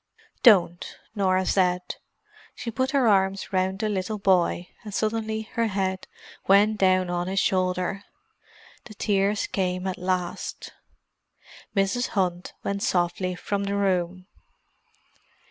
"Don't!" Norah said. She put her arms round the little boy—and suddenly her head went down on his shoulder. The tears came at last. Mrs. Hunt went softly from the room.